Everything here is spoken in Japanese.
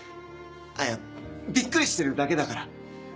あっいやびっくりしてるだけだから。